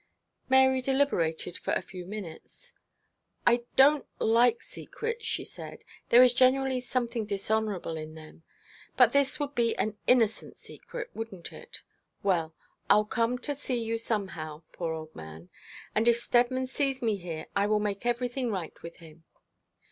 Mary deliberated for a few minutes. 'I don't like secrets,' she said, 'there is generally something dishonourable in them. But this would be an innocent secret, wouldn't it? Well, I'll come to see you somehow, poor old man; and if Steadman sees me here I will make everything right with him.'